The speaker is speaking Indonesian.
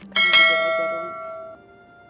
kamu jangan aja rumi